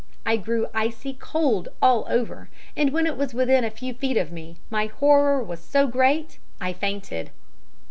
I grew icy cold all over, and when it was within a few feet of me, my horror was so great, I fainted.